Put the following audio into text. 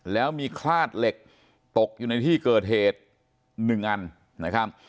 แล้วมีคลาดเหล็กตกอยู่ในที่เกิดเหตุ๑อันนะครับ